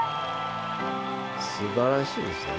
すばらしいですね。